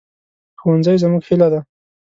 ښوونځی زموږ هیله ده